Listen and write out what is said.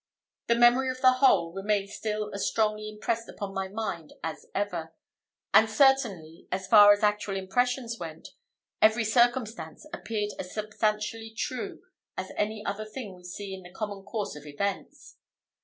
The memory of the whole remains still as strongly impressed upon my mind as ever; and certainly, as far as actual impressions went, every circumstance appeared as substantially true as any other thing we see in the common course of events.